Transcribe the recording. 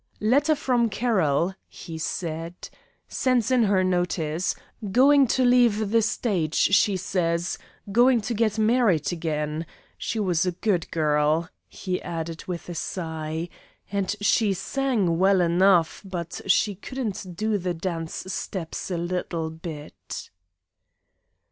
"Letter from Carroll," he said. "Sends in her notice. Going to leave the stage, she says; going to get married again. She was a good girl," he added with a sigh, "and she sang well enough, but she couldn't do the dance steps a little bit."